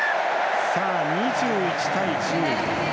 ２１対１０。